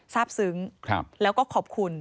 ทราบซึ้งแล้วก็ขอบคุณ